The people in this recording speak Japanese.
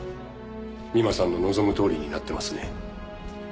美馬さんの望むとおりになってますね。